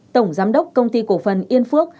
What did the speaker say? tổng giám đốc công ty cổ phần yên phước